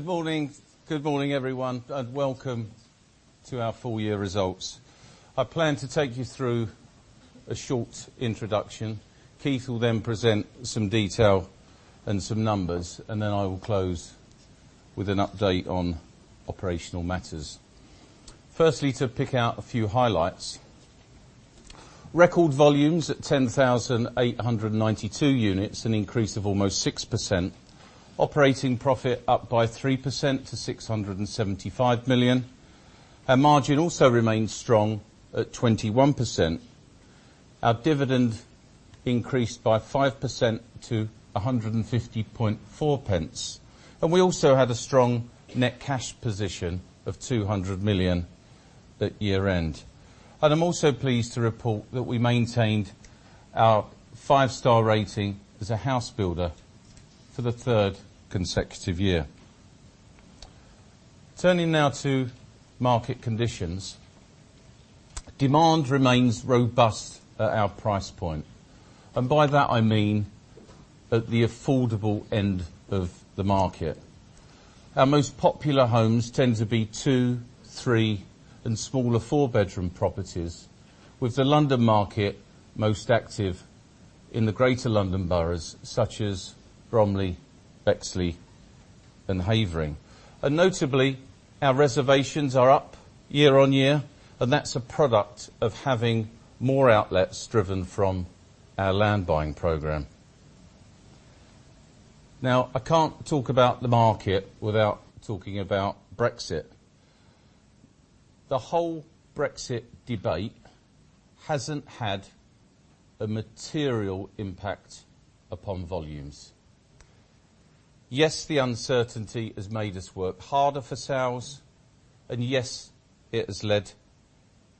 Good morning. Good morning, everyone, and welcome to our full year results. I plan to take you through a short introduction. Keith will then present some detail and some numbers, then I will close with an update on operational matters. Firstly, to pick out a few highlights. Record volumes at 10,892 units, an increase of almost 6%. Operating profit up by 3% to 675 million. Our margin also remains strong at 21%. Our dividend increased by 5% to 1.504. We also had a strong net cash position of 200 million at year-end. I'm also pleased to report that we maintained our five-star rating as a house builder for the third consecutive year. Turning now to market conditions. Demand remains robust at our price point. By that I mean at the affordable end of the market. Our most popular homes tend to be two, three and smaller four-bedroom properties, with the London market most active in the Greater London boroughs, such as Bromley, Bexley and Havering. Notably, our reservations are up year-over-year, and that's a product of having more outlets driven from our land buying program. Now, I can't talk about the market without talking about Brexit. The whole Brexit debate hasn't had a material impact upon volumes. Yes, the uncertainty has made us work harder for sales, and yes, it has led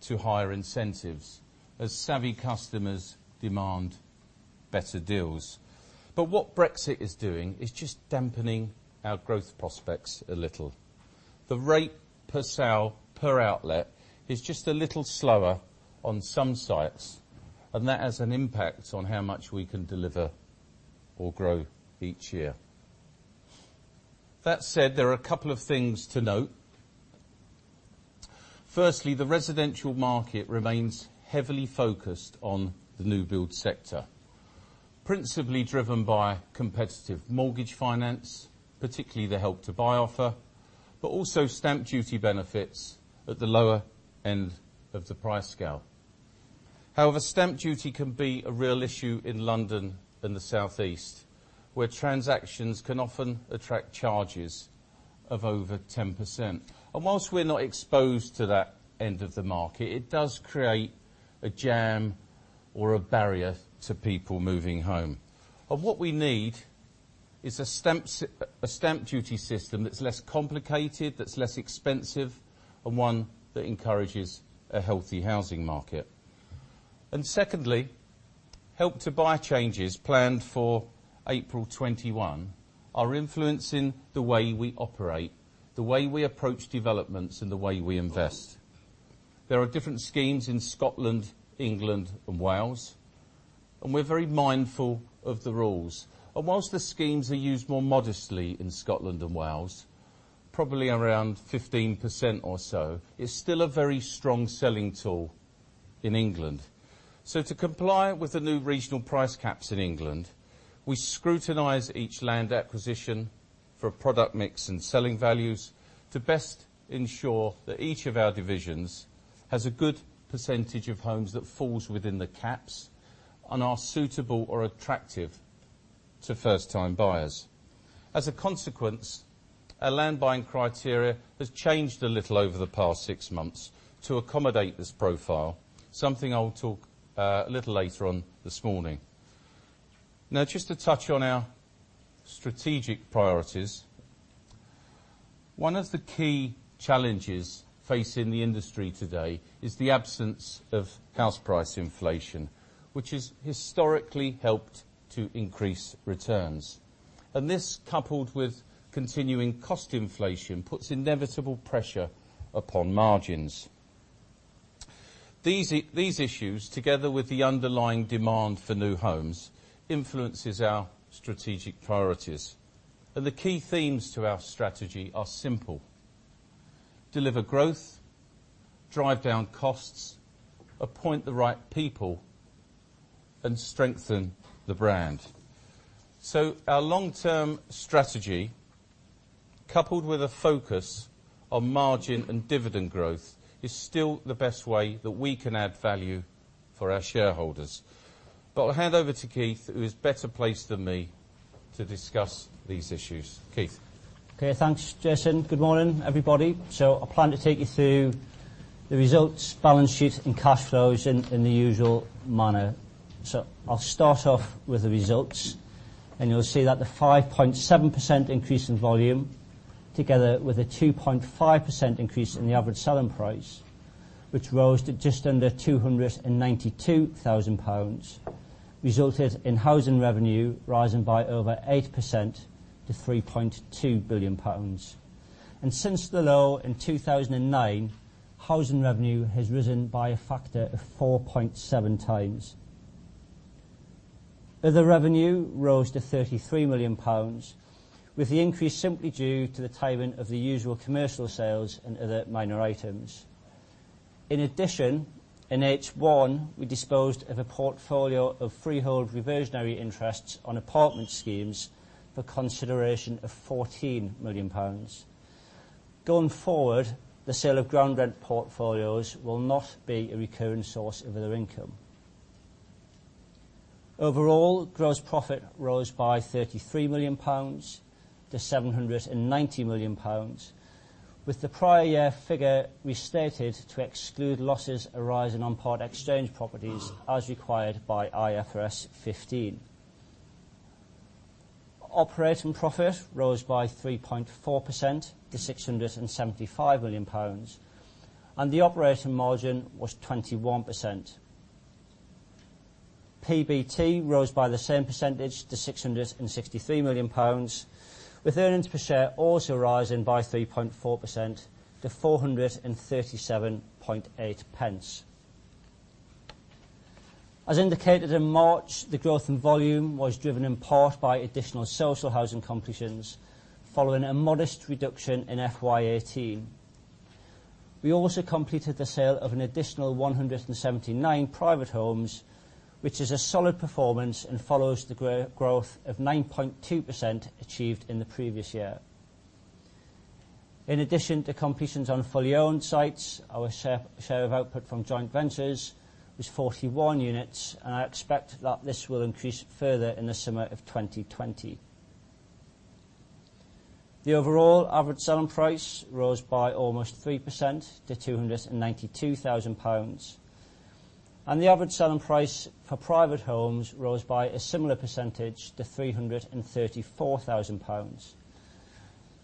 to higher incentives as savvy customers demand better deals. What Brexit is doing is just dampening our growth prospects a little. The rate per sale, per outlet is just a little slower on some sites, and that has an impact on how much we can deliver or grow each year. That said, there are a couple of things to note. Firstly, the residential market remains heavily focused on the new build sector, principally driven by competitive mortgage finance, particularly the Help to Buy offer, but also stamp duty benefits at the lower end of the price scale. However, stamp duty can be a real issue in London and the Southeast, where transactions can often attract charges of over 10%. Whilst we're not exposed to that end of the market, it does create a jam or a barrier to people moving home. What we need is a stamp duty system that's less complicated, that's less expensive, and one that encourages a healthy housing market. Secondly, Help to Buy changes planned for April 2021 are influencing the way we operate, the way we approach developments and the way we invest. There are different schemes in Scotland, England and Wales. We're very mindful of the rules. Whilst the schemes are used more modestly in Scotland and Wales, probably around 15% or so, it's still a very strong selling tool in England. To comply with the new regional price caps in England, we scrutinize each land acquisition for product mix and selling values to best ensure that each of our divisions has a good percentage of homes that falls within the caps and are suitable or attractive to first time buyers. As a consequence, our land buying criteria has changed a little over the past six months to accommodate this profile. Something I will talk a little later on this morning. Just to touch on our strategic priorities. One of the key challenges facing the industry today is the absence of house price inflation, which has historically helped to increase returns. This, coupled with continuing cost inflation, puts inevitable pressure upon margins. These issues, together with the underlying demand for new homes, influences our strategic priorities. The key themes to our strategy are simple: deliver growth, drive down costs, appoint the right people, and strengthen the brand. Our long-term strategy, coupled with a focus on margin and dividend growth, is still the best way that we can add value for our shareholders. I'll hand over to Keith, who is better placed than me to discuss these issues. Keith? Okay, thanks, Jason. Good morning, everybody. I plan to take you through the results, balance sheet and cash flows in the usual manner. I'll start off with the results, and you'll see that the 5.7% increase in volume, together with a 2.5% increase in the average selling price, which rose to just under 292,000 pounds, resulted in housing revenue rising by over 8% to 3.2 billion pounds. Since the low in 2009, housing revenue has risen by a factor of 4.7 times. Other revenue rose to 33 million pounds, with the increase simply due to the timing of the usual commercial sales and other minor items. In addition, in H1, we disposed of a portfolio of freehold reversionary interests on apartment schemes for consideration of 14 million pounds. Going forward, the sale of ground rent portfolios will not be a recurring source of other income. Overall, gross profit rose by 33 million pounds to 790 million pounds, with the prior year figure restated to exclude losses arising on Part Exchange properties as required by IFRS 15. Operating profit rose by 3.4% to 675 million pounds, and the operating margin was 21%. PBT rose by the same percentage to 663 million pounds, with earnings per share also rising by 3.4% to 4.378. As indicated in March, the growth in volume was driven in part by additional social housing completions following a modest reduction in FY18. We also completed the sale of an additional 179 private homes, which is a solid performance and follows the growth of 9.2% achieved in the previous year. In addition to completions on fully owned sites, our share of output from joint ventures was 41 units, and I expect that this will increase further in the summer of 2020. The overall average selling price rose by almost 3% to 292,000 pounds. The average selling price for private homes rose by a similar percentage to 334,000 pounds.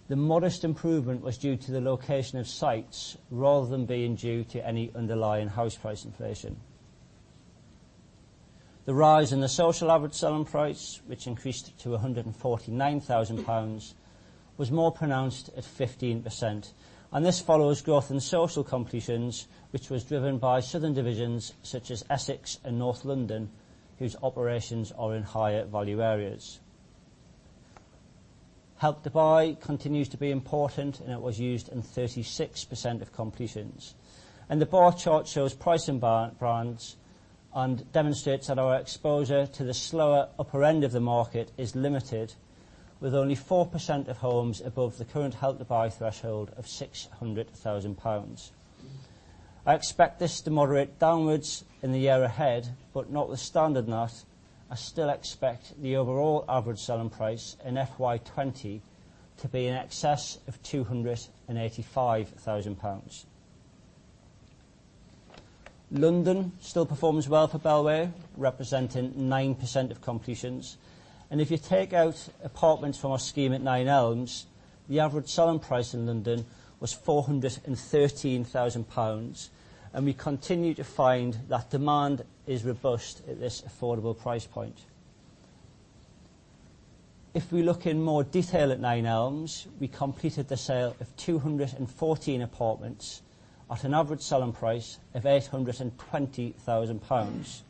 The modest improvement was due to the location of sites rather than being due to any underlying house price inflation. The rise in the social average selling price, which increased to 149,000 pounds, was more pronounced at 15%. This follows growth in social completions, which was driven by southern divisions such as Essex and North London, whose operations are in higher value areas. Help to Buy continues to be important. It was used in 36% of completions. The bar chart shows price bands and demonstrates that our exposure to the slower upper end of the market is limited, with only 4% of homes above the current Help to Buy threshold of 600,000 pounds. I expect this to moderate downwards in the year ahead, but notwithstanding that, I still expect the overall average selling price in FY 2020 to be in excess of 285,000 pounds. London still performs well for Bellway, representing 9% of completions. If you take out apartments from our scheme at Nine Elms, the average selling price in London was 413,000 pounds, and we continue to find that demand is robust at this affordable price point. If we look in more detail at Nine Elms, we completed the sale of 214 apartments at an average selling price of 820,000 pounds,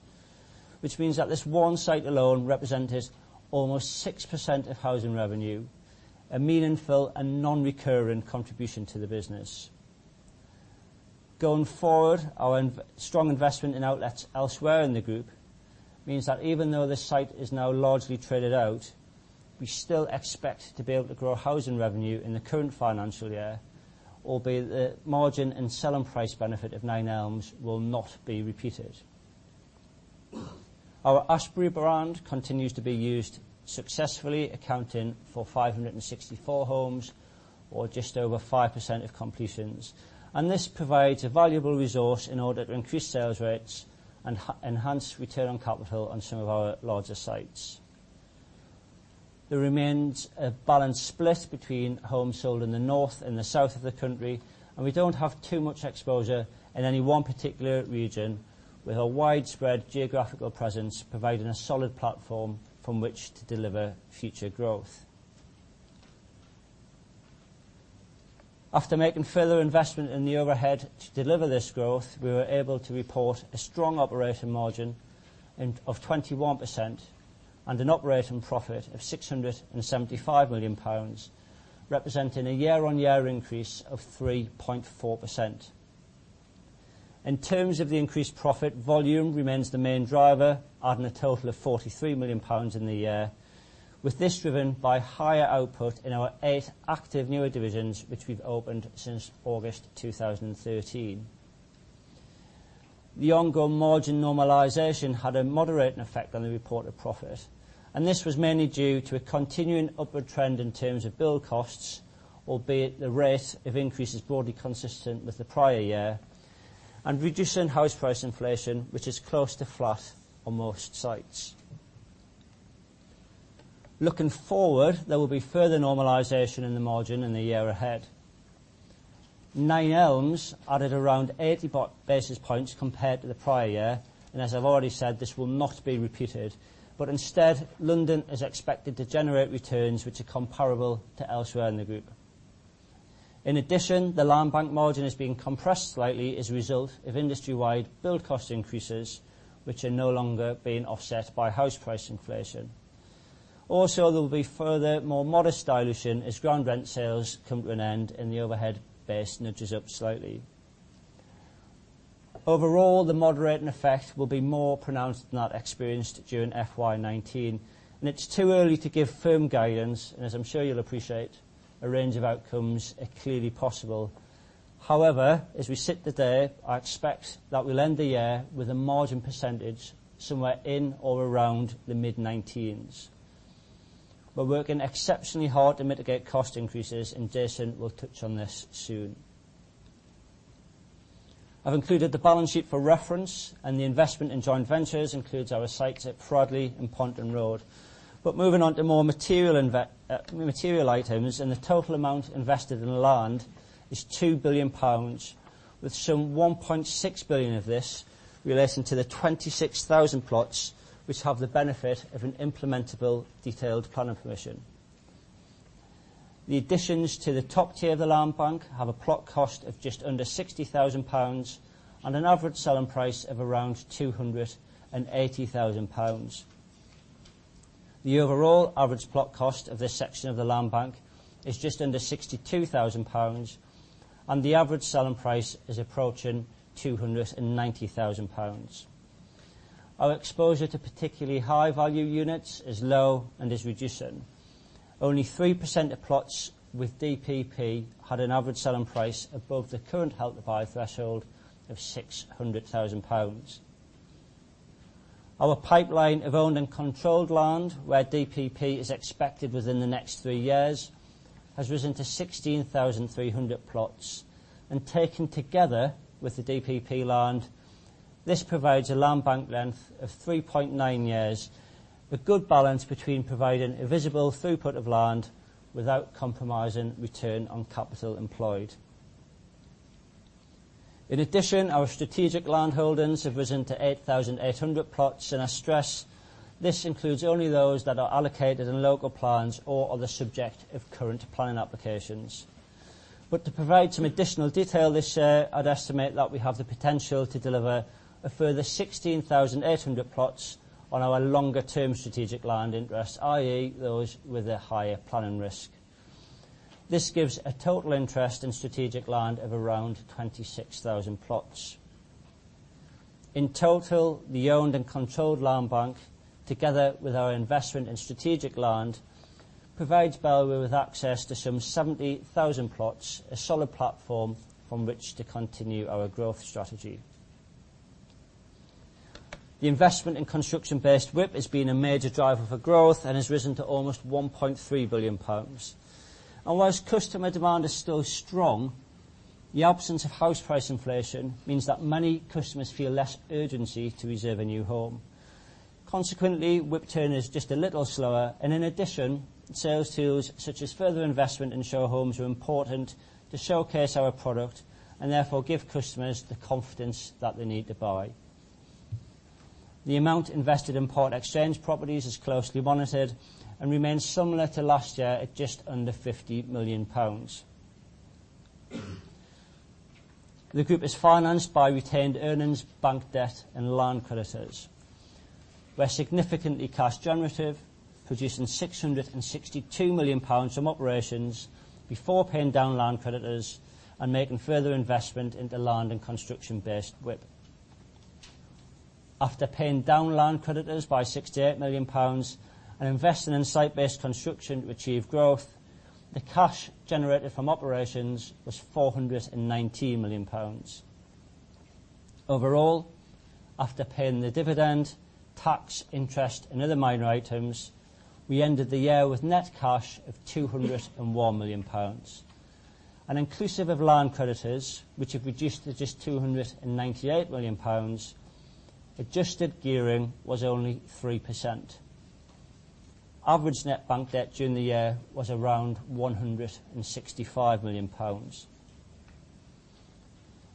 which means that this one site alone represented almost 6% of housing revenue, a meaningful and non-recurring contribution to the business. Going forward, our strong investment in outlets elsewhere in the group means that even though this site is now largely traded out, we still expect to be able to grow housing revenue in the current financial year, albeit the margin and selling price benefit of Nine Elms will not be repeated. Our Ashberry brand continues to be used successfully, accounting for 564 homes or just over 5% of completions. This provides a valuable resource in order to increase sales rates and enhance return on capital on some of our larger sites. There remains a balanced split between homes sold in the north and the south of the country, and we don't have too much exposure in any one particular region, with a widespread geographical presence providing a solid platform from which to deliver future growth. After making further investment in the overhead to deliver this growth, we were able to report a strong operating margin of 21% and an operating profit of 675 million pounds, representing a year-on-year increase of 3.4%. In terms of the increased profit, volume remains the main driver, adding a total of 43 million pounds in the year, with this driven by higher output in our 8 active newer divisions, which we've opened since August 2013. The ongoing margin normalization had a moderating effect on the reported profit, and this was mainly due to a continuing upward trend in terms of build costs, albeit the rate of increase is broadly consistent with the prior year, and reducing house price inflation, which is close to flat on most sites. Looking forward, there will be further normalization in the margin in the year ahead. Nine Elms added around 80 basis points compared to the prior year. As I've already said, this will not be repeated. Instead, London is expected to generate returns which are comparable to elsewhere in the group. In addition, the land bank margin is being compressed slightly as a result of industry-wide build cost increases, which are no longer being offset by house price inflation. Also, there will be further, more modest dilution as ground rent sales come to an end and the overhead base nudges up slightly. Overall, the moderating effect will be more pronounced than that experienced during FY 2019. It's too early to give firm guidance, and as I'm sure you'll appreciate, a range of outcomes are clearly possible. However, as we sit today, I expect that we'll end the year with a margin percentage somewhere in or around the mid-19s. We're working exceptionally hard to mitigate cost increases, and Jason will touch on this soon. I've included the balance sheet for reference, and the investment in joint ventures includes our sites at Fradley and Ponton Road. Moving on to more material items, and the total amount invested in land is 2 billion pounds, with some 1.6 billion of this relating to the 26,000 plots which have the benefit of an implementable detailed planning permission. The additions to the top tier of the land bank have a plot cost of just under 60,000 pounds, and an average selling price of around 280,000 pounds. The overall average plot cost of this section of the land bank is just under 62,000 pounds, and the average selling price is approaching 290,000 pounds. Our exposure to particularly high-value units is low and is reducing. Only 3% of plots with DPP had an average selling price above the current Help to Buy threshold of 600,000 pounds. Our pipeline of owned and controlled land, where DPP is expected within the next three years, has risen to 16,300 plots. Taken together with the DPP land, this provides a land bank length of 3.9 years, with good balance between providing a visible throughput of land without compromising return on capital employed. In addition, our strategic land holdings have risen to 8,800 plots, and I stress this includes only those that are allocated in local plans or are the subject of current planning applications. To provide some additional detail this year, I'd estimate that we have the potential to deliver a further 16,800 plots on our longer term strategic land interests, i.e., those with a higher planning risk. This gives a total interest in strategic land of around 26,000 plots. In total, the owned and controlled land bank, together with our investment in strategic land, provides Bellway with access to some 70,000 plots, a solid platform from which to continue our growth strategy. The investment in construction-based WIP has been a major driver for growth and has risen to almost 1.3 billion pounds. Whilst customer demand is still strong, the absence of house price inflation means that many customers feel less urgency to reserve a new home. Consequently, WIP turn is just a little slower, and in addition, sales tools such as further investment in show homes are important to showcase our product and therefore give customers the confidence that they need to buy. The amount invested in Part Exchange properties is closely monitored and remains similar to last year at just under 50 million pounds. The group is financed by retained earnings, bank debt, and land creditors. We're significantly cash generative, producing 662 million pounds from operations before paying down land creditors and making further investment into land and construction-based WIP. After paying down land creditors by 68 million pounds and investing in site-based construction to achieve growth, the cash generated from operations was 419 million pounds. Overall, after paying the dividend, tax, interest, and other minor items, we ended the year with net cash of 201 million pounds. Inclusive of land creditors, which have reduced to just 298 million pounds, adjusted gearing was only 3%. Average net bank debt during the year was around 165 million pounds.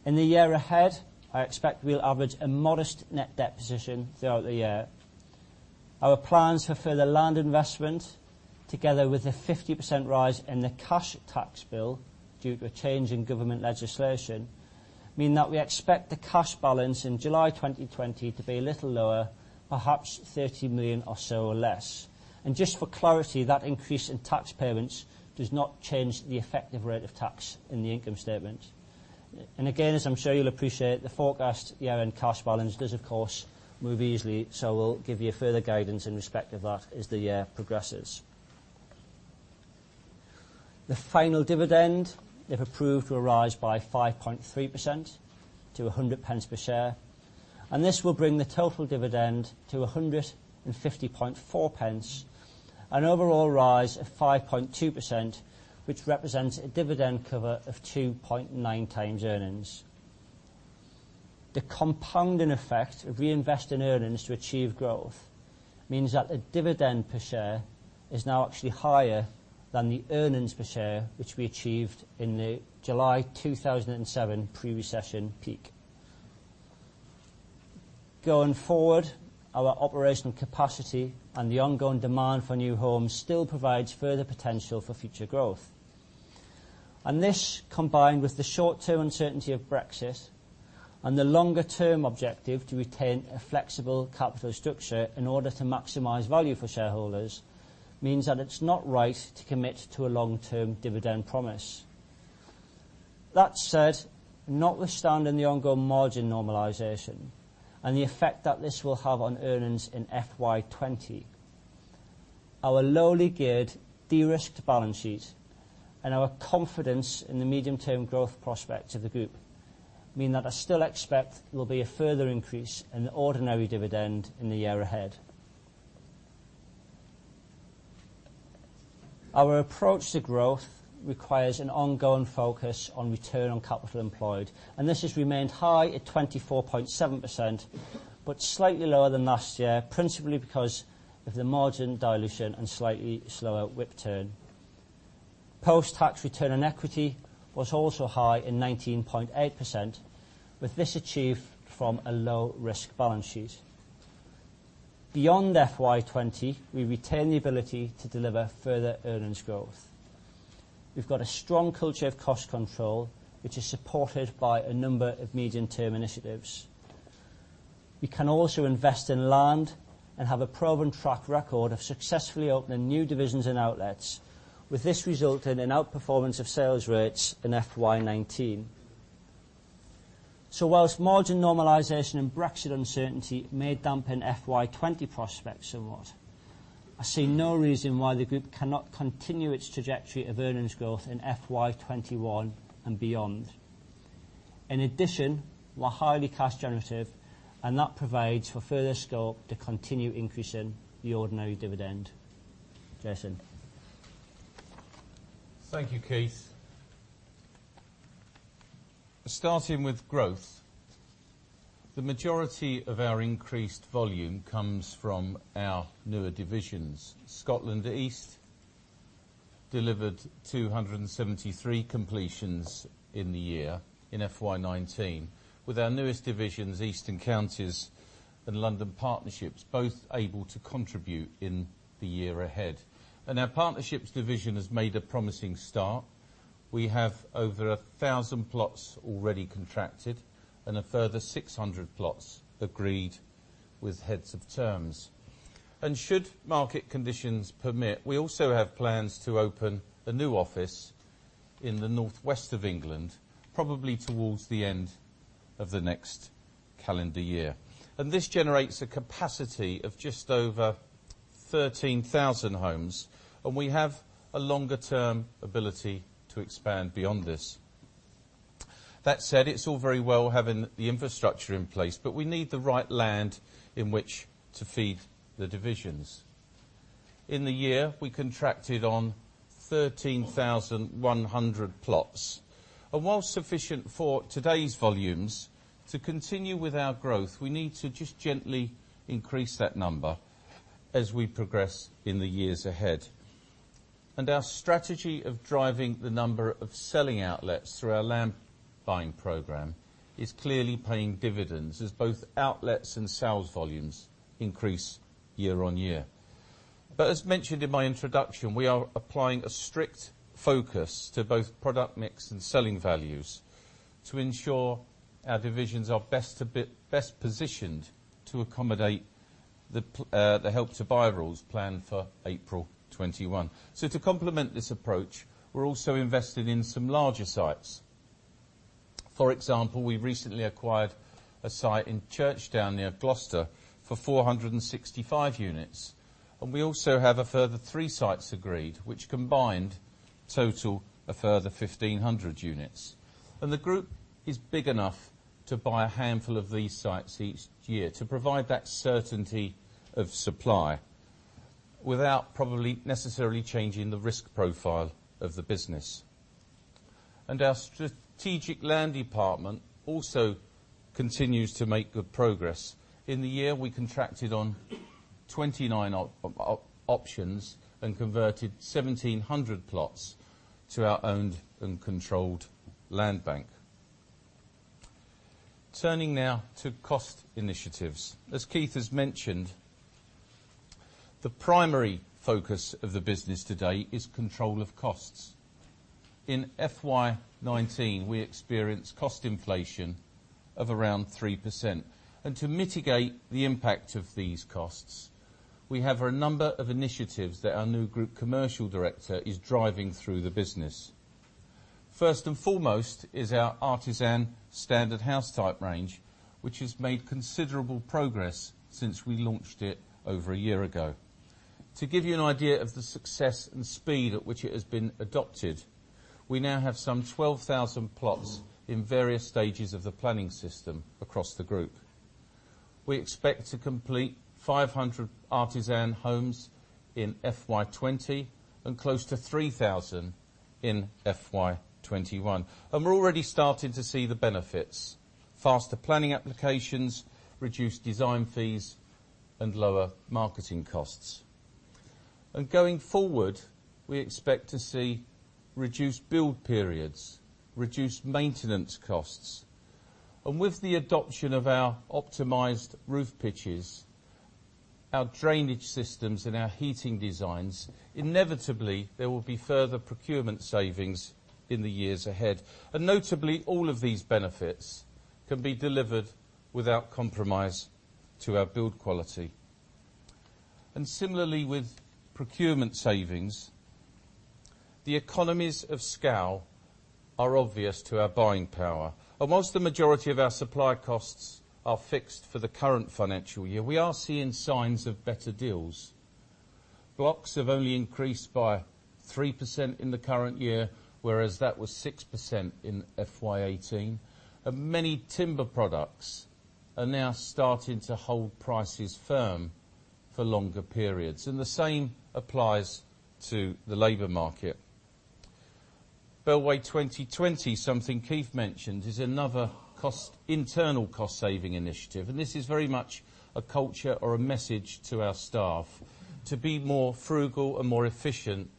In the year ahead, I expect we'll average a modest net debt position throughout the year. Our plans for further land investment, together with a 50% rise in the cash tax bill due to a change in government legislation, mean that we expect the cash balance in July 2020 to be a little lower, perhaps 30 million or so less. Just for clarity, that increase in tax payments does not change the effective rate of tax in the income statement. Again, as I'm sure you'll appreciate, the forecast year-end cash balance does, of course, move easily, so we'll give you further guidance in respect of that as the year progresses. The final dividend, if approved, will rise by 5.3% to 1.00 per share, this will bring the total dividend to 1.504, an overall rise of 5.2%, which represents a dividend cover of 2.9 times earnings. The compounding effect of reinvesting earnings to achieve growth means that the dividend per share is now actually higher than the earnings per share, which we achieved in the July 2007 pre-recession peak. Going forward, our operational capacity and the ongoing demand for new homes still provides further potential for future growth. This, combined with the short-term uncertainty of Brexit and the longer-term objective to retain a flexible capital structure in order to maximize value for shareholders, means that it's not right to commit to a long-term dividend promise. That said, notwithstanding the ongoing margin normalization and the effect that this will have on earnings in FY 2020, our lowly geared de-risked balance sheet and our confidence in the medium-term growth prospects of the group mean that I still expect there will be a further increase in the ordinary dividend in the year ahead. Our approach to growth requires an ongoing focus on return on capital employed, and this has remained high at 24.7%, but slightly lower than last year, principally because of the margin dilution and slightly slower WIP turn. Post-tax return on equity was also high in 19.8%, with this achieved from a low-risk balance sheet. Beyond FY 2020, we retain the ability to deliver further earnings growth. We've got a strong culture of cost control, which is supported by a number of medium-term initiatives. We can also invest in land and have a proven track record of successfully opening new divisions and outlets, with this resulting in outperformance of sales rates in FY 2019. Whilst margin normalization and Brexit uncertainty may dampen FY 2020 prospects somewhat, I see no reason why the group cannot continue its trajectory of earnings growth in FY 2021 and beyond. In addition, we're highly cash generative, and that provides for further scope to continue increasing the ordinary dividend. Jason. Thank you, Keith. Starting with growth, the majority of our increased volume comes from our newer divisions. Scotland East delivered 273 completions in the year in FY 2019, with our newest divisions, Eastern Counties and London Partnerships, both able to contribute in the year ahead. Our Partnerships Division has made a promising start. We have over 1,000 plots already contracted and a further 600 plots agreed with heads of terms. Should market conditions permit, we also have plans to open a new office in the northwest of England, probably towards the end of the next calendar year. This generates a capacity of just over 13,000 homes, and we have a longer-term ability to expand beyond this. That said, it's all very well having the infrastructure in place, but we need the right land in which to feed the divisions. In the year, we contracted on 13,100 plots. While sufficient for today's volumes, to continue with our growth, we need to just gently increase that number as we progress in the years ahead. Our strategy of driving the number of selling outlets through our land buying program is clearly paying dividends as both outlets and sales volumes increase year on year. As mentioned in my introduction, we are applying a strict focus to both product mix and selling values to ensure our divisions are best positioned to accommodate the Help to Buy rules planned for April 2021. To complement this approach, we're also invested in some larger sites. For example, we recently acquired a site in Churchdown, near Gloucester, for 465 units. We also have a further three sites agreed, which combined total a further 1,500 units. The group is big enough to buy a handful of these sites each year to provide that certainty of supply without probably necessarily changing the risk profile of the business. Our strategic land department also continues to make good progress. In the year, we contracted on 29 options and converted 1,700 plots to our owned and controlled land bank. Turning now to cost initiatives. As Keith has mentioned, the primary focus of the business today is control of costs. In FY 2019, we experienced cost inflation of around 3%. To mitigate the impact of these costs, we have a number of initiatives that our new group commercial director is driving through the business. First and foremost is our Artisan standard house type range, which has made considerable progress since we launched it over a year ago. To give you an idea of the success and speed at which it has been adopted, we now have some 12,000 plots in various stages of the planning system across the group. We expect to complete 500 Artisan homes in FY 2020 and close to 3,000 in FY 2021. We're already starting to see the benefits: faster planning applications, reduced design fees, and lower marketing costs. Going forward, we expect to see reduced build periods, reduced maintenance costs. With the adoption of our optimized roof pitches, our drainage systems, and our heating designs, inevitably, there will be further procurement savings in the years ahead. Notably, all of these benefits can be delivered without compromise to our build quality. Similarly with procurement savings, the economies of scale are obvious to our buying power. Whilst the majority of our supply costs are fixed for the current financial year, we are seeing signs of better deals. Blocks have only increased by 3% in the current year, whereas that was 6% in FY18. Many timber products are now starting to hold prices firm for longer periods. The same applies to the labor market. Bellway 2020, something Keith mentioned, is another internal cost-saving initiative, and this is very much a culture or a message to our staff to be more frugal and more efficient,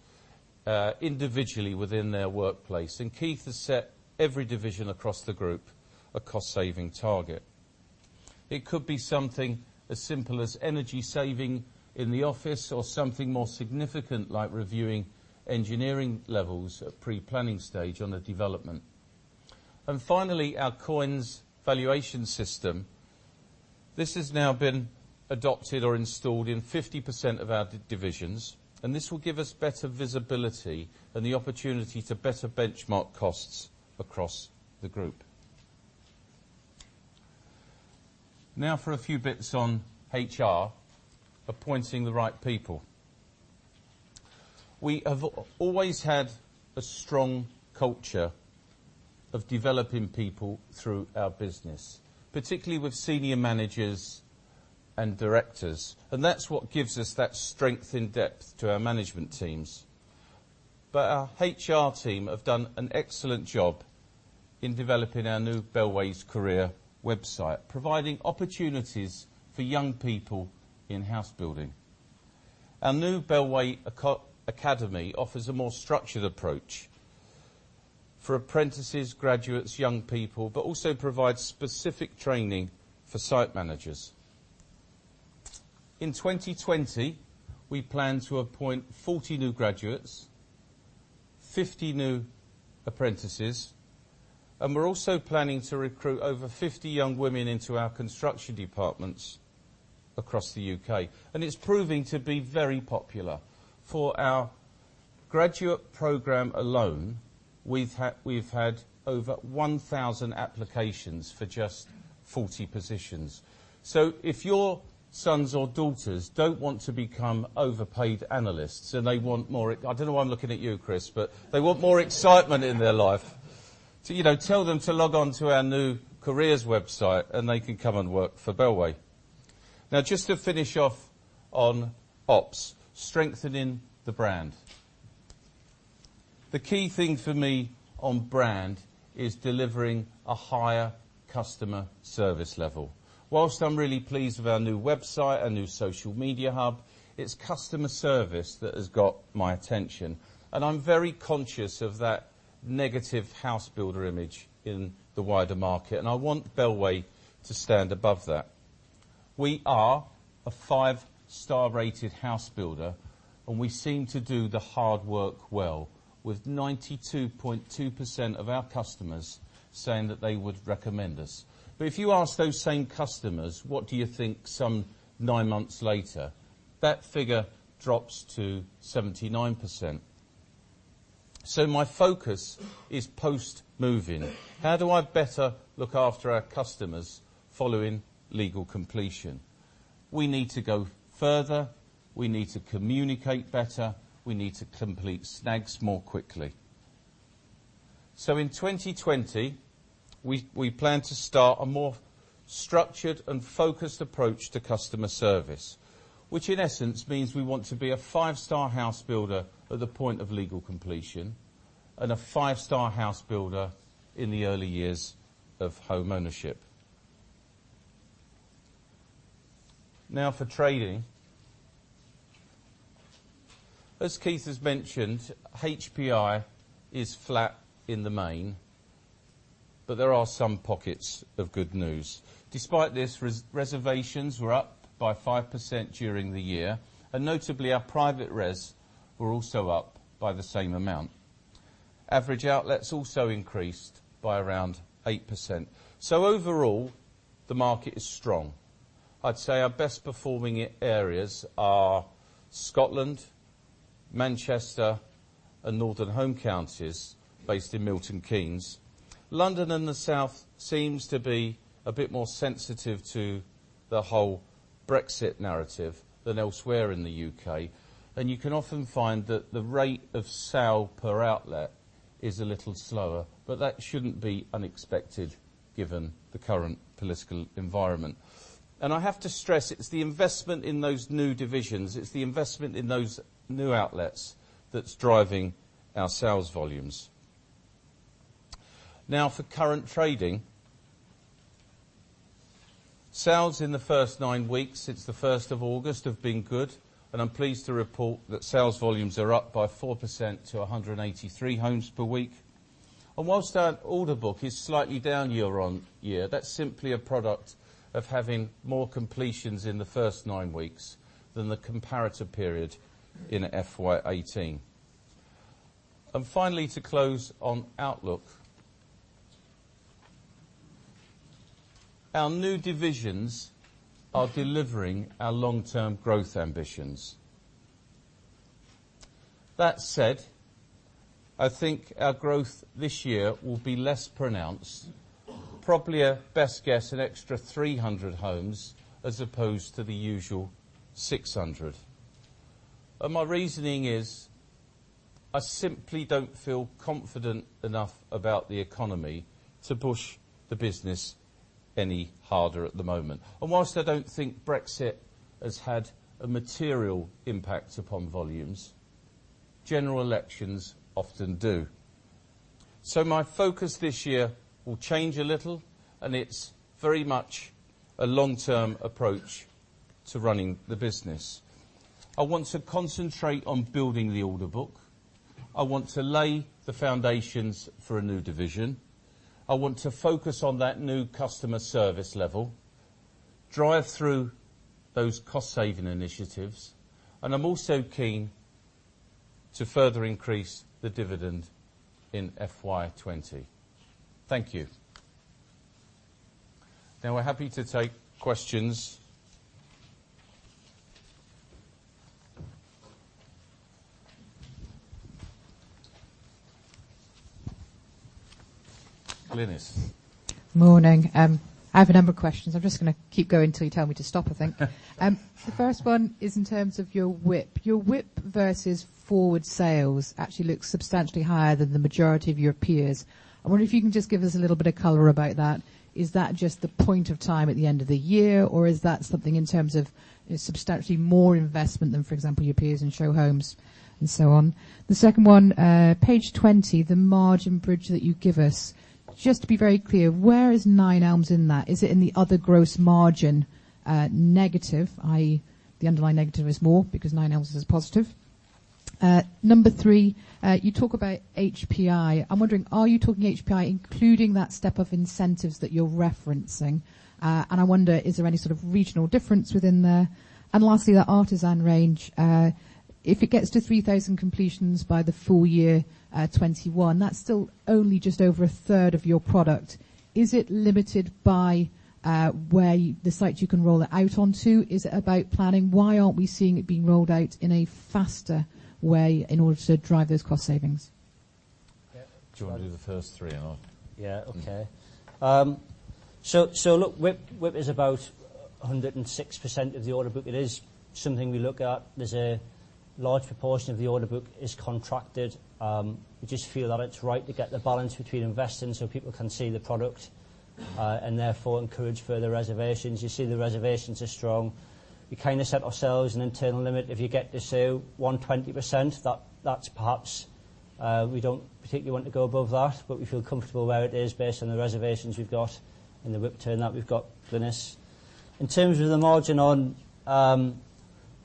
individually within their workplace. Keith has set every division across the group a cost-saving target. It could be something as simple as energy saving in the office or something more significant, like reviewing engineering levels at pre-planning stage on a development. Finally, our COINS valuation system. This has now been adopted or installed in 50% of our divisions, and this will give us better visibility and the opportunity to better benchmark costs across the group. Now for a few bits on HR, appointing the right people. We have always had a strong culture of developing people through our business, particularly with senior managers and directors, and that's what gives us that strength in depth to our management teams. Our HR team have done an excellent job in developing our new Bellway Careers website, providing opportunities for young people in house building. Our new Bellway Academy offers a more structured approach for apprentices, graduates, young people, but also provides specific training for site managers. In 2020, we plan to appoint 40 new graduates, 50 new apprentices, and we're also planning to recruit over 50 young women into our construction departments across the U.K. It's proving to be very popular. For our graduate program alone, we've had over 1,000 applications for just 40 positions. If your sons or daughters don't want to become overpaid analysts, they want more, I don't know why I'm looking at you, Chris, they want more excitement in their life, tell them to log on to our new careers website, they can come and work for Bellway. Just to finish off on ops, strengthening the brand. The key thing for me on brand is delivering a higher customer service level. Whilst I'm really pleased with our new website, our new social media hub, it's customer service that has got my attention. I'm very conscious of that negative house builder image in the wider market, I want Bellway to stand above that. We are a five-star rated house builder, and we seem to do the hard work well, with 92.2% of our customers saying that they would recommend us. If you ask those same customers, "What do you think some nine months later?" That figure drops to 79%. My focus is post-move-in. How do I better look after our customers following legal completion? We need to go further. We need to communicate better. We need to complete snags more quickly. In 2020, we plan to start a more structured and focused approach to customer service, which in essence means we want to be a five-star house builder at the point of legal completion and a five-star house builder in the early years of home ownership. For trading. As Keith has mentioned, HPI is flat in the main, there are some pockets of good news. Despite this, reservations were up by 5% during the year. Notably, our private res were also up by the same amount. Average outlets also increased by around 8%. Overall, the market is strong. I'd say our best performing areas are Scotland, Manchester, and Northern Home Counties based in Milton Keynes. London and the South seems to be a bit more sensitive to the whole Brexit narrative than elsewhere in the U.K. You can often find that the rate of sale per outlet is a little slower, that shouldn't be unexpected given the current political environment. I have to stress, it's the investment in those new divisions, it's the investment in those new outlets that's driving our sales volumes. Now for current trading. Sales in the first nine weeks since the 1st of August have been good, and I'm pleased to report that sales volumes are up by 4% to 183 homes per week. Whilst our order book is slightly down year-on-year, that's simply a product of having more completions in the first nine weeks than the comparator period in FY 2018. Finally, to close on outlook. Our new divisions are delivering our long-term growth ambitions. That said, I think our growth this year will be less pronounced. Probably, a best guess, an extra 300 homes as opposed to the usual 600. My reasoning is, I simply don't feel confident enough about the economy to push the business any harder at the moment. Whilst I don't think Brexit has had a material impact upon volumes, general elections often do. My focus this year will change a little, and it's very much a long-term approach to running the business. I want to concentrate on building the order book. I want to lay the foundations for a new division. I want to focus on that new customer service level, drive through those cost-saving initiatives, and I'm also keen to further increase the dividend in FY20. Thank you. We're happy to take questions. Glynis. Morning. I have a number of questions. I'm just going to keep going till you tell me to stop, I think. The first one is in terms of your WIP. Your WIP versus forward sales actually looks substantially higher than the majority of your peers. I wonder if you can just give us a little bit of color about that. Is that just the point of time at the end of the year, or is that something in terms of substantially more investment than, for example, your peers in show homes and so on? The second one, page 20, the margin bridge that you give us. Just to be very clear, where is Nine Elms in that? Is it in the other gross margin, negative, i.e. the underlying negative is more because Nine Elms is positive? Number three, you talk about HPI. I'm wondering, are you talking HPI including that step of incentives that you're referencing? I wonder, is there any sort of regional difference within there? Lastly, the Artisan range, if it gets to 3,000 completions by the full year 2021, that's still only just over 1/3 of your product. Is it limited by the sites you can roll it out onto? Is it about planning? Why aren't we seeing it being rolled out in a faster way in order to drive those cost savings? Do you want to do the first three, and I'll- Okay. WIP is about 106% of the order book. It is something we look at. There is a large proportion of the order book is contracted. We just feel that it is right to get the balance between investing so people can see the product, and therefore encourage further reservations. You see the reservations are strong. We set ourselves an internal limit. If you get to, say, 120%, that is perhaps, we do not particularly want to go above that. We feel comfortable where it is based on the reservations we have got and the WIP turn that we have got, Glynis. In terms of the margin on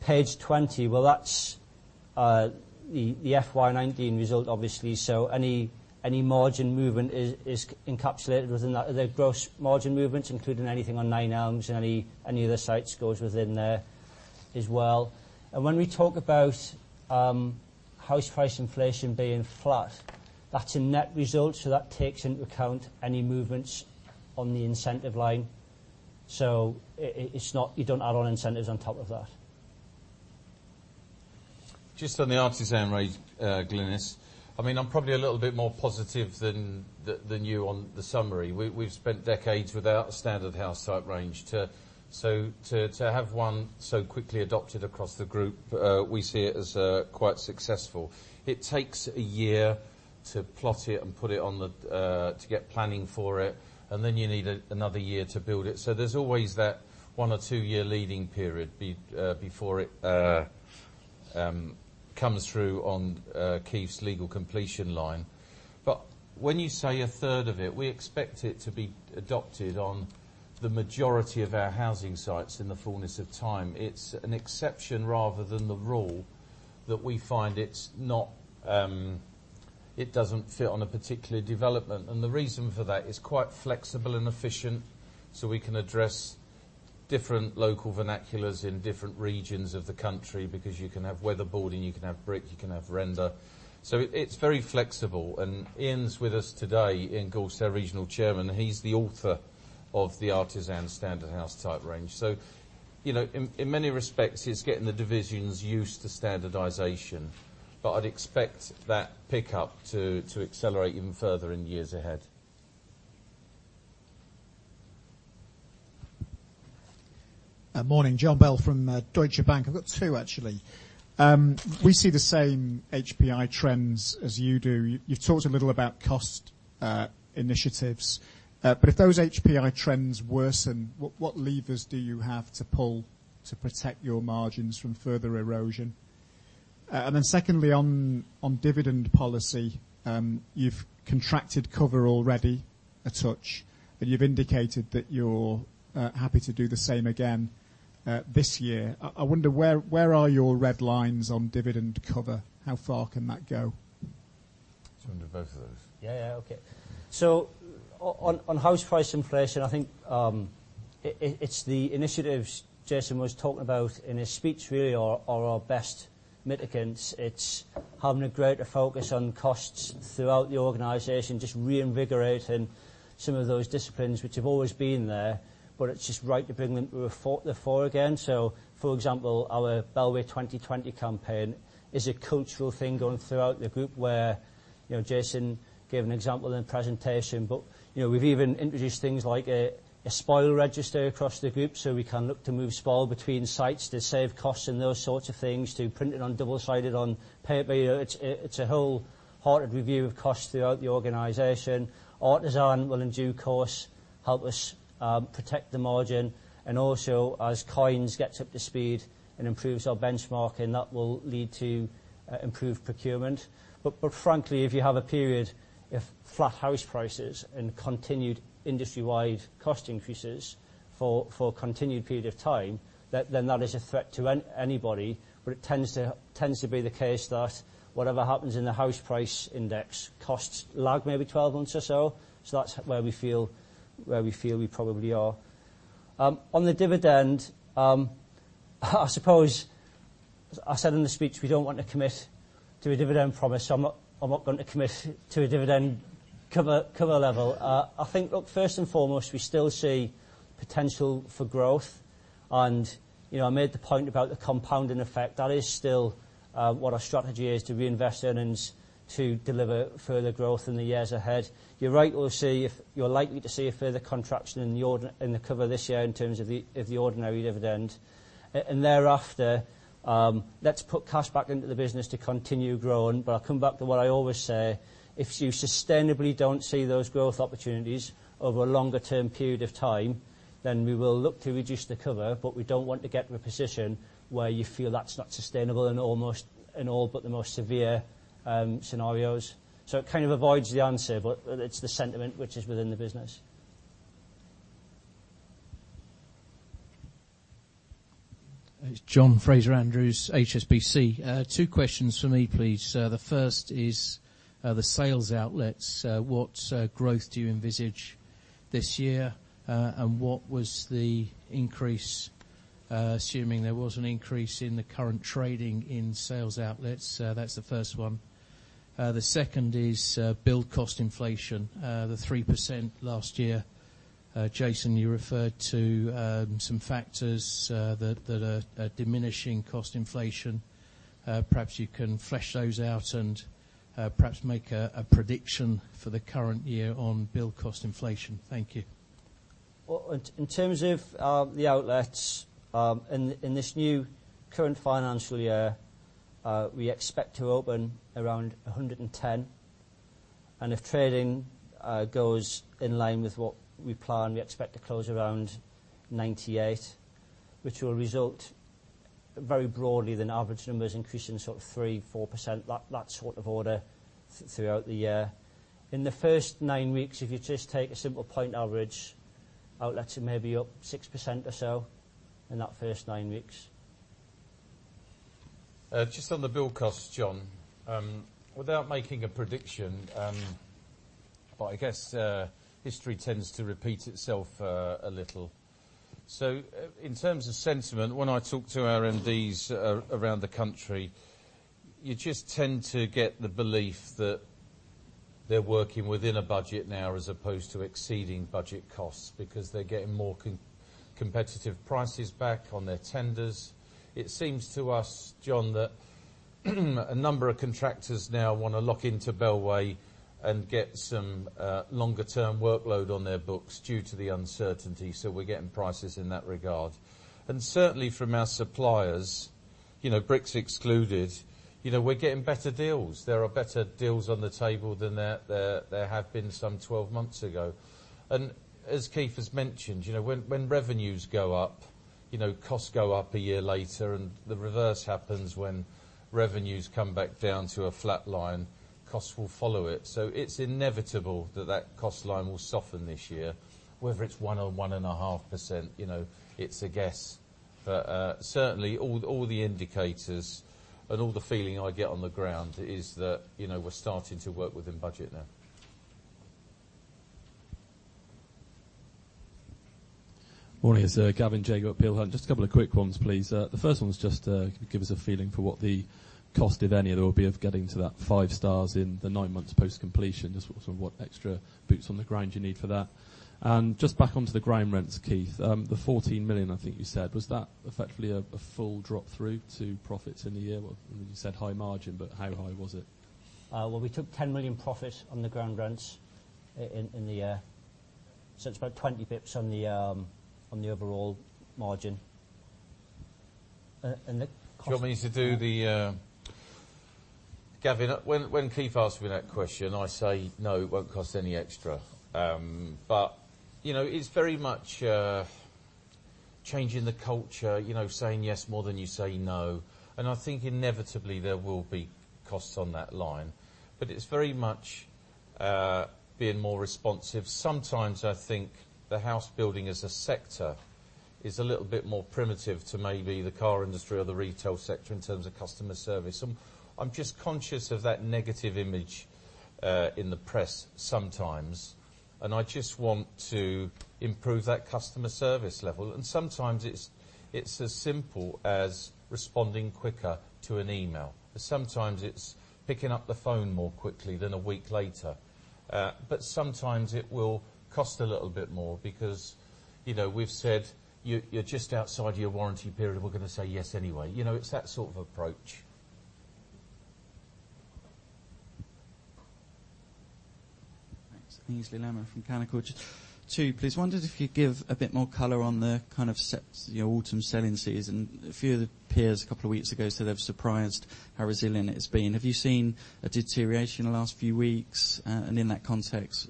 page 20, well, that is the FY19 result, obviously. Any margin movement is encapsulated within that. The gross margin movements, including anything on Nine Elms and any other sites, goes within there as well. When we talk about house price inflation being flat, that's a net result. That takes into account any movements on the incentive line. You don't add on incentives on top of that. Just on the Artisan range, Glynis. I'm probably a little bit more positive than you on the summary. We've spent decades without a standard house type range. To have one so quickly adopted across the group, we see it as quite successful. It takes a year to plot it and to get planning for it, and then you need another year to build it. There's always that one or two-year leading period before it comes through on Keith's legal completion line. When you say a third of it, we expect it to be adopted on the majority of our housing sites in the fullness of time. It's an exception rather than the rule that we find it doesn't fit on a particular development. The reason for that, it's quite flexible and efficient, so we can address different local vernaculars in different regions of the country, because you can have weather boarding, you can have brick, you can have render. It's very flexible. Ian's with us today. Ian Gorst, regional chairman. He's the author of the Artisan standard house type range. In many respects, it's getting the divisions used to standardization. I'd expect that pickup to accelerate even further in years ahead. Morning. John Bell from Deutsche Bank. I've got two, actually. We see the same HPI trends as you do. You've talked a little about cost initiatives. If those HPI trends worsen, what levers do you have to pull to protect your margins from further erosion? Secondly, on dividend policy, you've contracted cover already a touch. You've indicated that you're happy to do the same again this year. I wonder where are your red lines on dividend cover? How far can that go? Do you want to do both of those? Yeah. Okay. On house price inflation, I think it's the initiatives Jason was talking about in his speech really are our best mitigants. It's having a greater focus on costs throughout the organization, just reinvigorating some of those disciplines, which have always been there, but it's just right to bring them to the fore again. For example, our Bellway 2020 campaign is a cultural thing going throughout the group where, Jason gave an example in the presentation, but we've even introduced things like a spoil register across the group so we can look to move spoil between sites to save costs and those sorts of things, to printing on double-sided on paper. It's a wholehearted review of costs throughout the organization. Artisan will, in due course, help us protect the margin, and also as COINS gets up to speed and improves our benchmarking, that will lead to improved procurement. If you have a period of flat house prices and continued industry-wide cost increases for a continued period of time, then that is a threat to anybody. It tends to be the case that whatever happens in the house price index, costs lag maybe 12 months or so. That's where we feel we probably are. On the dividend, I suppose I said in the speech, we don't want to commit to a dividend promise, so I'm not going to commit to a dividend cover level. I think, look, first and foremost, we still see potential for growth, and I made the point about the compounding effect. That is still what our strategy is, to reinvest earnings to deliver further growth in the years ahead. You're right. You'll see, you're likely to see a further contraction in the cover this year in terms of the ordinary dividend. Thereafter, let's put cash back into the business to continue growing. I'll come back to what I always say. If you sustainably don't see those growth opportunities over a longer term period of time, then we will look to reduce the cover, but we don't want to get in a position where you feel that's not sustainable in all but the most severe scenarios. It kind of avoids the answer, but it's the sentiment which is within the business. It's John Fraser-Andrews, HSBC. Two questions from me, please, sir. The first is the sales outlets. What growth do you envisage this year? What was the increase, assuming there was an increase in the current trading in sales outlets? That's the first one. The second is build cost inflation, the 3% last year. Jason, you referred to some factors that are diminishing cost inflation. Perhaps you can flesh those out and perhaps make a prediction for the current year on build cost inflation. Thank you. In terms of the outlets, in this new current financial year, we expect to open around 110. If trading goes in line with what we plan, we expect to close around 98, which will result very broadly than average numbers increasing sort of 3%, 4%, that sort of order throughout the year. In the first nine weeks, if you just take a simple point average, outlets are maybe up 6% or so in that first nine weeks. Just on the build cost, John, without making a prediction, but I guess history tends to repeat itself a little. In terms of sentiment, when I talk to our MDs around the country, you just tend to get the belief that they're working within a budget now as opposed to exceeding budget costs because they're getting more competitive prices back on their tenders. It seems to us, John, that a number of contractors now want to lock into Bellway and get some longer-term workload on their books due to the uncertainty. We're getting prices in that regard. Certainly from our suppliers, bricks excluded, we're getting better deals. There are better deals on the table than there have been some 12 months ago. As Keith has mentioned, when revenues go up, costs go up a year later, and the reverse happens when revenues come back down to a flat line. Costs will follow it. It's inevitable that that cost line will soften this year, whether it's one or 1.5%, it's a guess. Certainly, all the indicators and all the feeling I get on the ground is that we're starting to work within budget now. Morning. It's Gavin Jaggard at Peel Hunt. Just a couple of quick ones, please. The first one was just give us a feeling for what the cost, if any, there will be of getting to that five stars in the nine months post-completion. Just sort of what extra boots on the ground you need for that. Just back onto the ground rents, Keith. The 14 million, I think you said, was that effectively a full drop through to profits in the year? You said high margin, but how high was it? Well, we took 10 million profit on the ground rents in the year. It's about 20 basis points on the overall margin. Do you want me to do the Gavin, when Keith asked me that question, I say, "No, it won't cost any extra." It's very much Changing the culture, saying yes more than you say no. I think inevitably there will be costs on that line, but it's very much being more responsive. Sometimes I think that house building as a sector is a little bit more primitive to maybe the car industry or the retail sector in terms of customer service. I'm just conscious of that negative image in the press sometimes, and I just want to improve that customer service level. Sometimes it's as simple as responding quicker to an email. Sometimes it's picking up the phone more quickly than a week later. Sometimes it will cost a little bit more because we've said, "You're just outside your warranty period, and we're going to say yes anyway." It's that sort of approach. Thanks. Aynsley Lammin from Canaccord. Two, please. Wondered if you'd give a bit more color on the kind of autumn selling season. A few of the peers a couple of weeks ago said they're surprised how resilient it's been. Have you seen a deterioration in the last few weeks? In that context,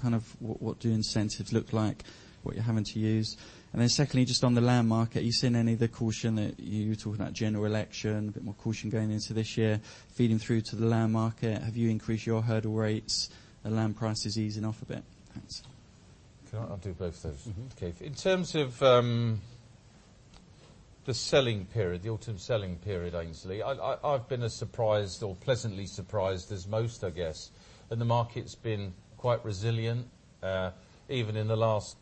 kind of what do incentives look like, what you're having to use? Then secondly, just on the land market, are you seeing any of the caution that you were talking about, general election, a bit more caution going into this year feeding through to the land market? Have you increased your hurdle rates? Are land prices easing off a bit? Thanks. Can I do both of those? Okay. In terms of the selling period, the autumn selling period, Aynsley, I've been as surprised or pleasantly surprised as most, I guess. The market's been quite resilient, even in the last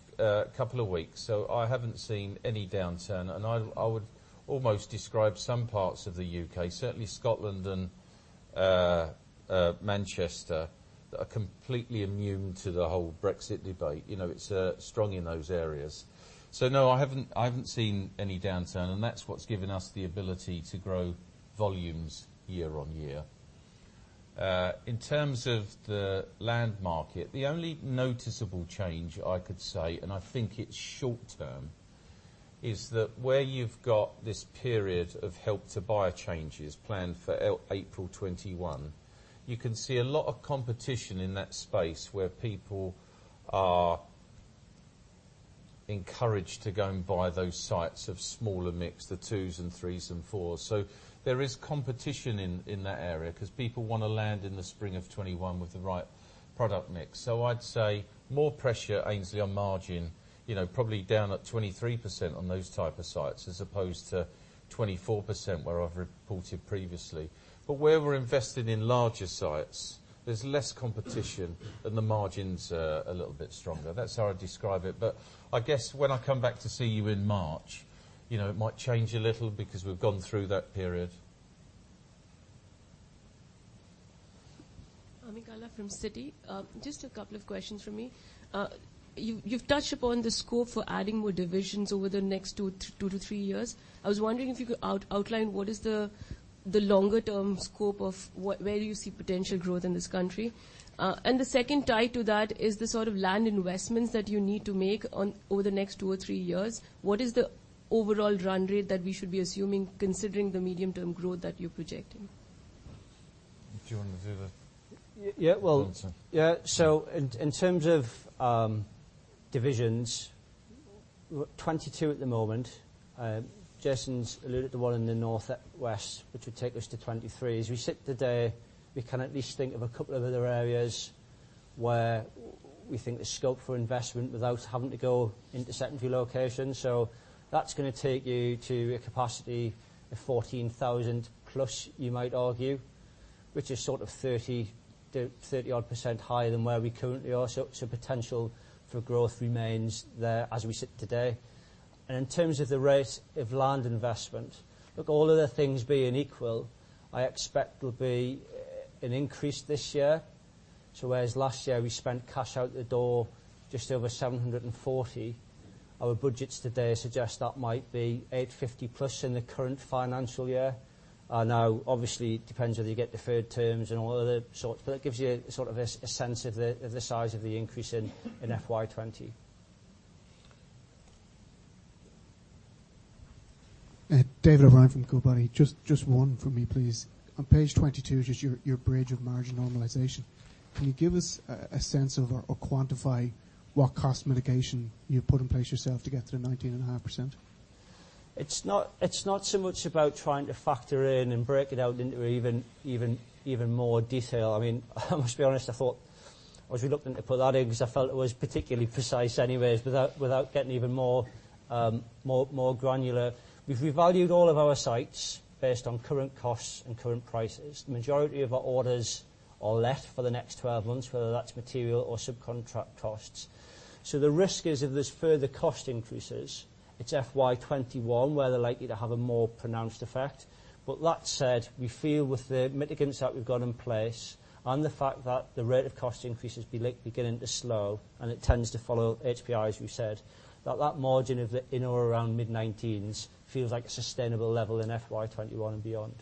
couple of weeks. I haven't seen any downturn, and I would almost describe some parts of the U.K., certainly Scotland and Manchester, are completely immune to the whole Brexit debate. It's strong in those areas. No, I haven't seen any downturn, and that's what's given us the ability to grow volumes year on year. In terms of the land market, the only noticeable change I could say, and I think it's short term, is that where you've got this period of Help to Buy changes planned for April 2021, you can see a lot of competition in that space where people are encouraged to go and buy those sites of smaller mix, the 2s and 3s and 4s. There is competition in that area because people want to land in the spring of 2021 with the right product mix. I'd say more pressure, Aynsley, on margin, probably down at 23% on those type of sites as opposed to 24% where I've reported previously. Where we're investing in larger sites, there's less competition, and the margin's a little bit stronger. That's how I'd describe it. I guess when I come back to see you in March, it might change a little because we've gone through that period. Ami Galla from Citi. Just a couple of questions from me. You've touched upon the scope for adding more divisions over the next two to three years. I was wondering if you could outline what is the longer term scope of where you see potential growth in this country. The second tied to that is the sort of land investments that you need to make over the next two or three years. What is the overall run rate that we should be assuming, considering the medium-term growth that you're projecting? Do you want to do? Yeah, well- answer? Yeah. In terms of divisions, we're at 22 at the moment. Jason's alluded to one in the northwest, which would take us to 23. As we sit today, we can at least think of a couple of other areas where we think there's scope for investment without having to go into secondary locations. That's going to take you to a capacity of 14,000 plus, you might argue, which is sort of 30-odd% higher than where we currently are. Potential for growth remains there as we sit today. In terms of the rate of land investment, look, all other things being equal, I expect there'll be an increase this year. Whereas last year we spent cash out the door just over 740, our budgets today suggest that might be 850 plus in the current financial year. Obviously, it depends whether you get deferred terms and all other sorts, but that gives you sort of a sense of the size of the increase in FY 2020. David O'Brien from Goodbody. Just one from me, please. On page 22, just your bridge of margin normalization. Can you give us a sense of or quantify what cost mitigation you put in place yourself to get to the 19.5%? It's not so much about trying to factor in and break it out into even more detail. I mean, I must be honest, I thought I was reluctant to put that in because I felt it was particularly precise anyways. Without getting even more granular, we've revalued all of our sites based on current costs and current prices. The majority of our orders are let for the next 12 months, whether that's material or subcontract costs. The risk is if there's further cost increases, it's FY21 where they're likely to have a more pronounced effect. That said, we feel with the mitigants that we've got in place and the fact that the rate of cost increases beginning to slow, and it tends to follow HPI, as we've said, that margin of the in or around mid-19s feels like a sustainable level in FY21 and beyond.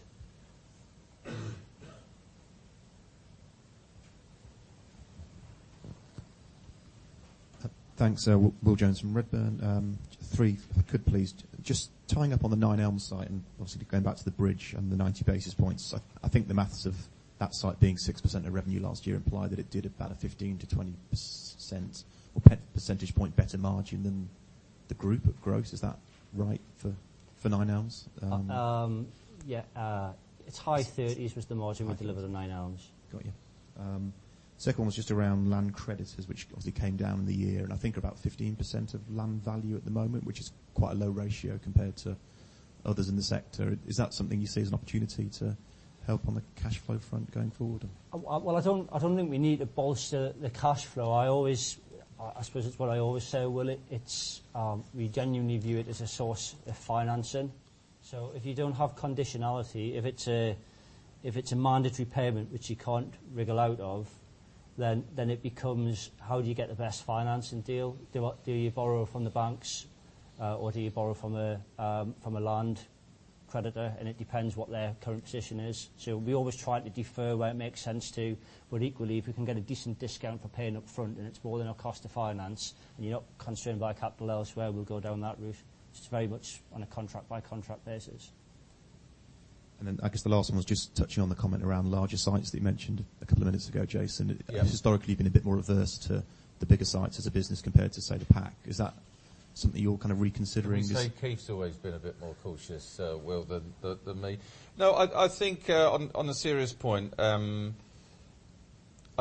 Thanks. Will Jones from Redburn. Three if I could, please. Just tying up on the Nine Elms site and obviously going back to the bridge and the 90 basis points, I think the math of that site being 6% of revenue last year imply that it did about a 15%-20% percentage point better margin than the group of gross, is that right for Nine Elms? Yeah. It's high 30s was the margin. Okay We delivered on Nine Elms. Got you. Second one was just around land credits, which obviously came down in the year, and I think about 15% of land value at the moment, which is quite a low ratio compared to others in the sector. Is that something you see as an opportunity to help on the cash flow front going forward? Well, I don't think we need to bolster the cash flow. I suppose it's what I always say, Will, we genuinely view it as a source of financing. If you don't have conditionality, if it's a mandatory payment, which you can't wriggle out of, then it becomes how do you get the best financing deal? Do you borrow from the banks, or do you borrow from a land creditor? It depends what their current position is. We're always trying to defer where it makes sense to. Equally, if we can get a decent discount for paying upfront, and it's more than our cost to finance, and you're not constrained by capital elsewhere, we'll go down that route. It's very much on a contract by contract basis. I guess the last one was just touching on the comment around larger sites that you mentioned a couple of minutes ago, Jason. Yeah. Historically, you've been a bit more averse to the bigger sites as a business compared to, say, the pack. Is that something you're kind of reconsidering? I'd say Keith's always been a bit more cautious, Will, than me. I think, on a serious point, I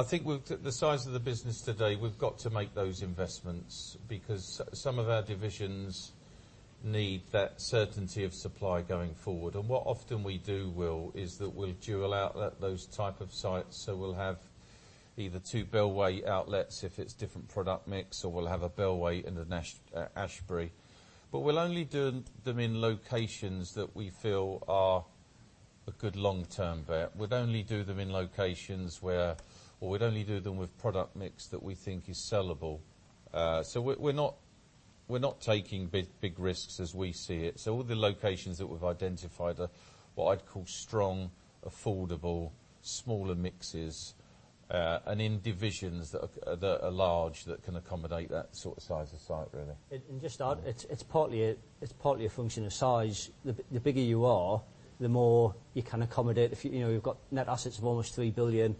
think with the size of the business today, we've got to make those investments because some of our divisions need that certainty of supply going forward. What often we do, Will, is that we'll dual out those type of sites, so we'll have either two Bellway outlets if it's different product mix, or we'll have a Bellway in the Ashberry. We'll only do them in locations that we feel are a good long-term bet. We'd only do them in locations where or we'd only do them with product mix that we think is sellable. We're not taking big risks as we see it. All the locations that we've identified are what I'd call strong, affordable, smaller mixes, and in divisions that are large that can accommodate that sort of size of site, really. Just to add, it's partly a function of size. The bigger you are, the more you can accommodate. You've got net assets of almost 3 billion.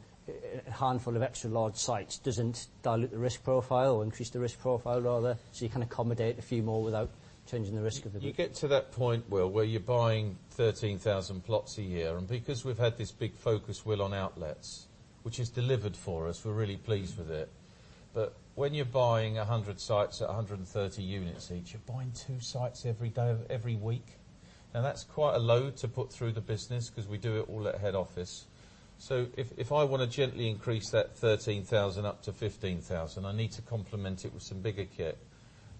A handful of extra large sites doesn't dilute the risk profile or increase the risk profile, rather. You can accommodate a few more without changing the risk of the business. You get to that point, Will, where you're buying 13,000 plots a year, and because we've had this big focus, Will, on outlets, which has delivered for us, we're really pleased with it. When you're buying 100 sites at 130 units each, you're buying two sites every week. Now, that's quite a load to put through the business because we do it all at head office. If I want to gently increase that 13,000 up to 15,000, I need to complement it with some bigger kit,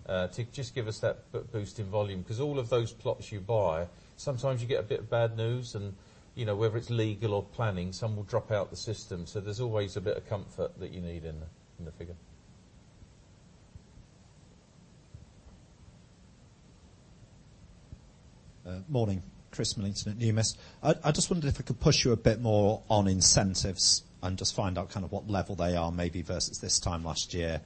to just give us that boost in volume. All of those plots you buy, sometimes you get a bit of bad news and whether it's legal or planning, some will drop out the system. There's always a bit of comfort that you need in the figure. Morning. Chris Millington at Numis. I just wondered if I could push you a bit more on incentives and just find out kind of what level they are maybe versus this time last year.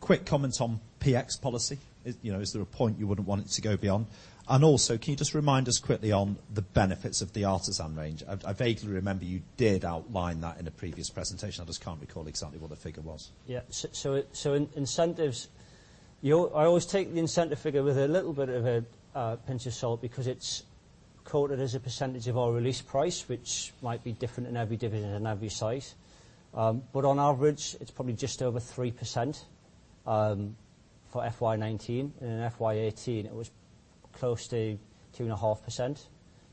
Quick comment on PX policy. Is there a point you wouldn't want it to go beyond? Can you just remind us quickly on the benefits of the Artisan range? I vaguely remember you did outline that in a previous presentation. I just can't recall exactly what the figure was. Yeah. Incentives. I always take the incentive figure with a little bit of a pinch of salt because it's quoted as a % of our release price, which might be different in every division and every site. On average, it's probably just over 3%, for FY 2019. In FY 2018, it was close to 2.5%.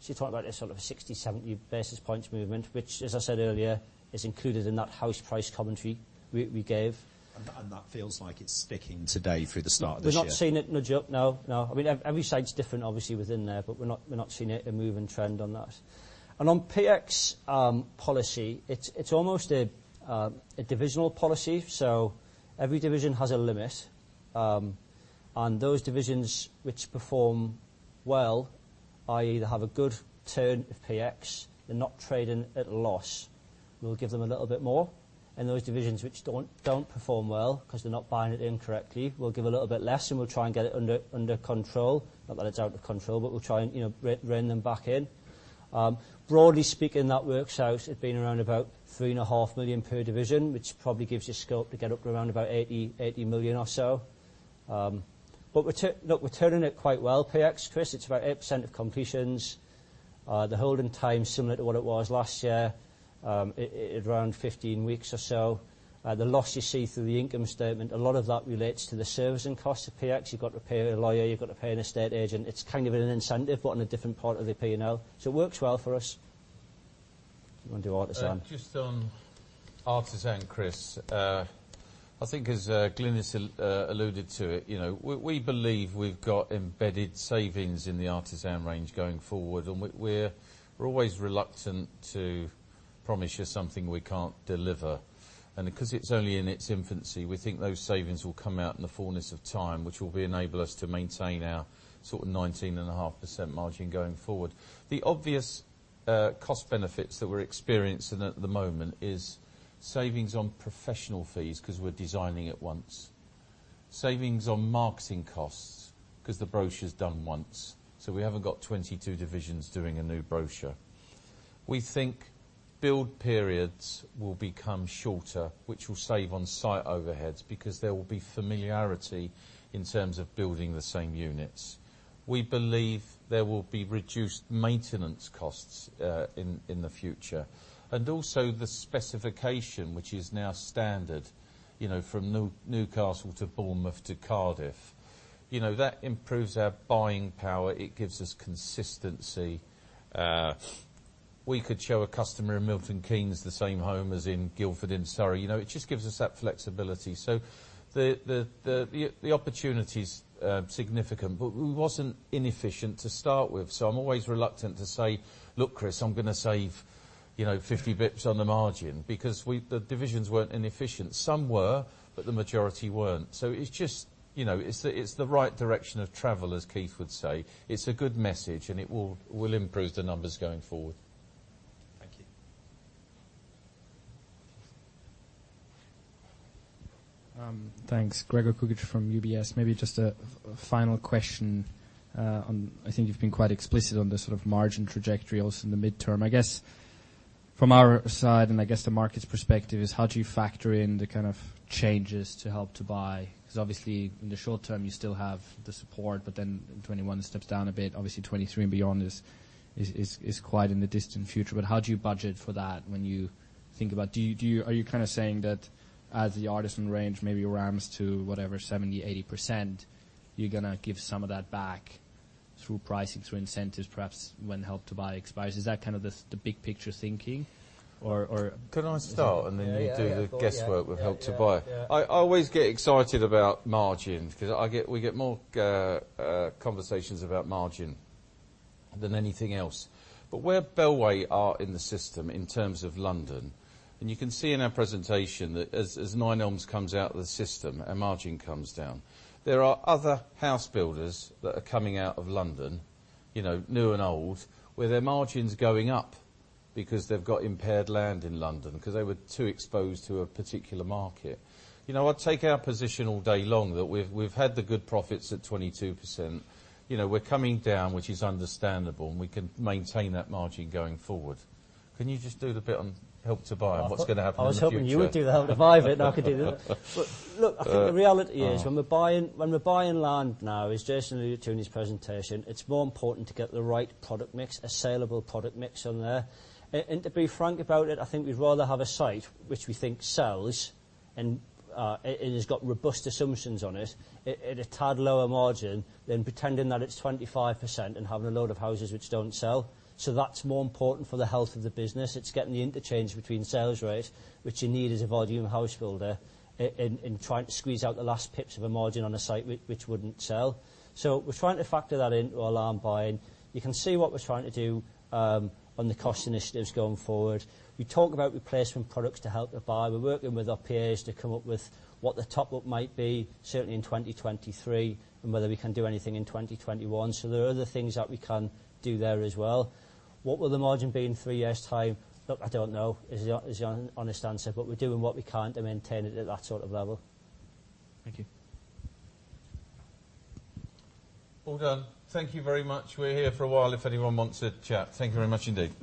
You're talking about a sort of 60, 70 basis points movement, which, as I said earlier, is included in that house price commentary we gave. That feels like it's sticking today through the start of this year. We're not seeing it nudge up, no. Every site's different obviously within there, but we're not seeing a moving trend on that. On PX policy, it's almost a divisional policy. Every division has a limit, and those divisions which perform well, i.e., have a good turn of PX and not trading at a loss, we'll give them a little bit more. Those divisions which don't perform well because they're not buying it in correctly, we'll give a little bit less, and we'll try and get it under control. Not that it's out of control, but we'll try and rein them back in. Broadly speaking, that works out at being around about 3.5 million per division, which probably gives you scope to get up around about 80 million or so. Look, we're turning it quite well, PX, Chris. It's about 8% of completions. The holding time is similar to what it was last year, at around 15 weeks or so. The loss you see through the income statement, a lot of that relates to the servicing cost of PX. You've got to pay a lawyer, you've got to pay an estate agent. It's kind of an incentive, but in a different part of the P&L. It works well for us. Do you want to do Artisan? Just on Artisan, Chris. I think as Glyn has alluded to it, we believe we've got embedded savings in the Artisan range going forward. We're always reluctant to promise you something we can't deliver. Because it's only in its infancy, we think those savings will come out in the fullness of time, which will enable us to maintain our sort of 19.5% margin going forward. The obvious cost benefits that we're experiencing at the moment is savings on professional fees because we're designing it once. Savings on marketing costs because the brochure's done once. We haven't got 22 divisions doing a new brochure. We think build periods will become shorter, which will save on site overheads because there will be familiarity in terms of building the same units. We believe there will be reduced maintenance costs in the future. Also the specification, which is now standard, from Newcastle to Bournemouth to Cardiff. That improves our buying power. It gives us consistency. We could show a customer in Milton Keynes the same home as in Guildford in Surrey. It just gives us that flexibility. The opportunity's significant, but it wasn't inefficient to start with. I'm always reluctant to say, "Look, Chris, I'm going to save 50 basis points on the margin," because the divisions weren't inefficient. Some were, but the majority weren't. It's the right direction of travel, as Keith would say. It's a good message, and it will improve the numbers going forward. Thank you. Thanks. Gregor Kuglitsch from UBS. Maybe just a final question. I think you've been quite explicit on the sort of margin trajectory also in the midterm. I guess from our side, and I guess the market's perspective is how do you factor in the kind of changes to Help to Buy? In the short term, you still have the support, then 2021 steps down a bit. 2023 and beyond is quite in the distant future, how do you budget for that when you think about Are you kind of saying that as the Artisan range maybe ramps to whatever, 70%-80%, you are going to give some of that back through pricing, through incentives, perhaps when Help to Buy expires? Is that kind of the big picture thinking? Can I start, and then you do the guesswork with Help to Buy. Yeah. I always get excited about margin because we get more conversations about margin than anything else. Where Bellway are in the system in terms of London, and you can see in our presentation that as Nine Elms comes out of the system, our margin comes down. There are other house builders that are coming out of London, new and old, where their margin's going up because they've got impaired land in London because they were too exposed to a particular market. I'd take our position all day long that we've had the good profits at 22%. We're coming down, which is understandable, and we can maintain that margin going forward. Can you just do the bit on Help to Buy and what's going to happen in the future? I was hoping you would do the Help to Buy bit and I could do the Look, I think the reality is when we're buying land now, as Jason alluded to in his presentation, it's more important to get the right product mix, a saleable product mix on there. To be frank about it, I think we'd rather have a site which we think sells and has got robust assumptions on it at a tad lower margin than pretending that it's 25% and having a load of houses which don't sell. That's more important for the health of the business. It's getting the interchange between sales rate, which you need as a volume house builder, and trying to squeeze out the last pips of a margin on a site which wouldn't sell. We're trying to factor that into our land buying. You can see what we're trying to do on the cost initiatives going forward. We talk about replacement products to Help to Buy. We're working with our peers to come up with what the top-up might be, certainly in 2023, and whether we can do anything in 2021. There are other things that we can do there as well. What will the margin be in three years' time? Look, I don't know, is the honest answer, but we're doing what we can to maintain it at that sort of level. Thank you. All done. Thank you very much. We're here for a while if anyone wants to chat. Thank you very much indeed.